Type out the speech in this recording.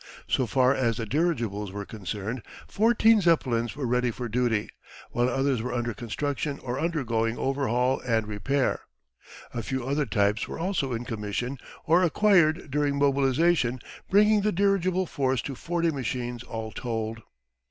So far as the dirigibles were concerned 14 Zeppelins were ready for duty, while others were under construction or undergoing overhaul and repair. A few other types were also in commission or acquired during mobilisation, bringing the dirigible force to 40 machines all told.